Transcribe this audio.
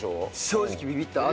正直ビビった。